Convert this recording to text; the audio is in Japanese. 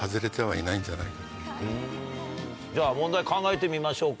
では問題考えてみましょうか。